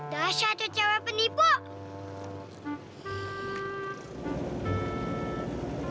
dah satu cewek penipu